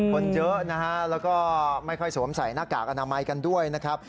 คนเยอะนะฮะแล้วก็ไม่ค่อยสวมใส่หน้ากากอนามัยกันด้วยนะครับ